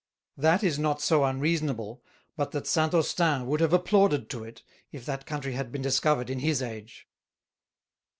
That is not so unreasonable but that St. Austin would have applauded to it, if that Country had been discovered in his Age.